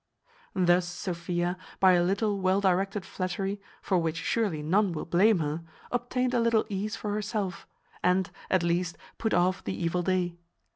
Thus Sophia, by a little well directed flattery, for which surely none will blame her, obtained a little ease for herself, and, at least, put off the evil day.